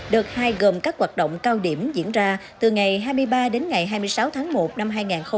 đợt hai gồm các hoạt động cao điểm diễn ra từ ngày hai mươi ba đến ngày hai mươi sáu tháng một năm hai nghìn hai mươi